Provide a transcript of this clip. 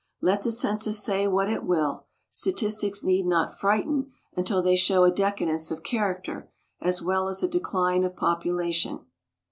Let the census say what it will, statistics need not frighten until they show a decadence of character as well as a decline of population.